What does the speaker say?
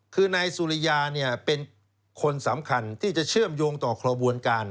คือนายสุริยาเป็นคนสำคัญที่จะเชื่อมโยงต่อขบวนการ